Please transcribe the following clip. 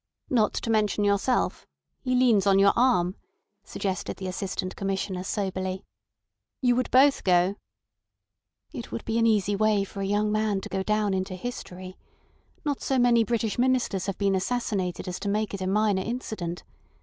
"Not to mention yourself. He leans on your arm," suggested the Assistant Commissioner soberly. "You would both go." "It would be an easy way for a young man to go down into history? Not so many British Ministers have been assassinated as to make it a minor incident.